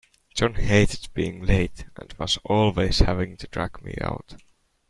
John hated being late, and was always having to drag me out.